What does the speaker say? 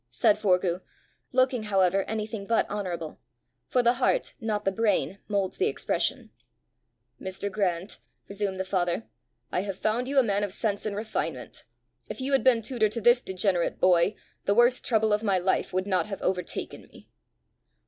said Forgue, looking however anything but honourable, for the heart, not the brain, moulds the expression. "Mr. Grant," resumed the father, "I have found you a man of sense and refinement! If you had been tutor to this degenerate boy, the worst trouble of my life would not have overtaken me!"